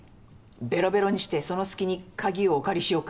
べろべろにしてその隙に鍵をお借りしようか。